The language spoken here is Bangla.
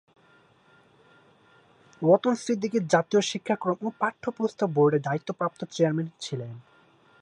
রতন সিদ্দিকী জাতীয় শিক্ষাক্রম ও পাঠ্যপুস্তক বোর্ডের দায়িত্বপ্রাপ্ত চেয়ারম্যান ছিলেন।